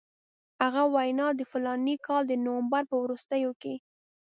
هغه وینا د فلاني کال د نومبر په وروستیو کې.